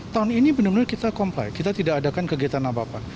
tahun ini benar benar kita comply kita tidak adakan kegiatan apa apa